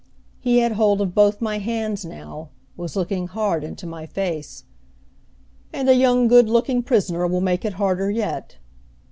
He had hold of both my hands now, was looking hard into my face. "And a young good looking prisoner will make it harder yet."